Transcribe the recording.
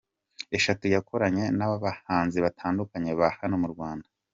eshatu yakoranye n’abahanzi batandukanye ba hano mu Rwanda.